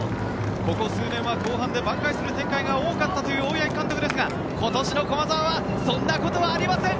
ここ数年は後半でばん回する展開が多かったという大八木監督ですが今年の駒澤はそんなことありません！